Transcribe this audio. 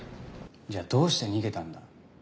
じゃあどうして逃げたんだ？